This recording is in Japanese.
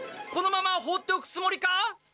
このままほうっておくつもりか？